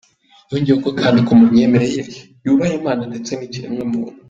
Yongeyeho kandi ko mu myemerere ye yubaha Imana ndetse n’ikiremwamuntu.